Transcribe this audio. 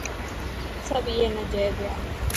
سڀ اي نا جوئي پيا.